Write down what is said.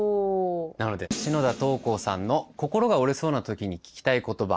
なので篠田桃紅さんの「心が折れそうなときに聞きたい言葉」